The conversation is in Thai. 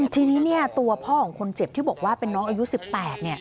ทีนี้ตัวพ่อของคนเจ็บที่บอกว่าเป็นน้องอายุ๑๘